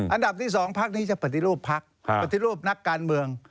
อันดับที่๒พักนี้จะปฏิรูปภักดิ์ปฏิรูปนักการเมือง